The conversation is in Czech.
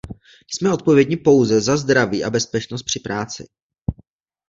Jsme odpovědni pouze za zdraví a bezpečnost při práci.